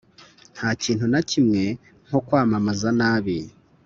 nta kintu na kimwe nko kwamamaza nabi